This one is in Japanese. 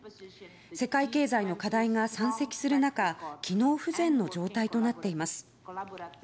世界経済の課題が山積する中機能不全の状態となっています。